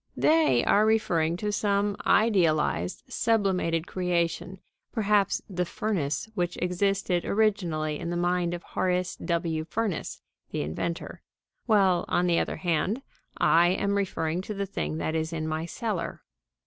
They are referring to some idealized, sublimated creation; perhaps the "furnace" which existed originally in the mind of Horace W. Furnace, the inventor; while, on the other hand, I am referring to the thing that is in my cellar.